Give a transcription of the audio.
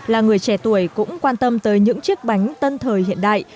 là người trẻ tuổi cũng quan tâm tới những chiếc bánh tân thời hiện đại